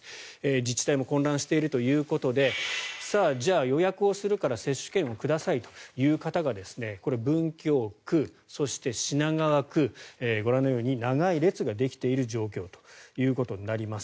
自治体も混乱しているということでさあ、予約をするから接種券をくださいという方が文京区、そして品川区ご覧のように長い列ができている状況となります。